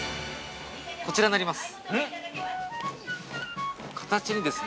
◆こちらになります。